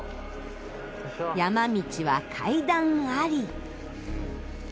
山道は階段あり。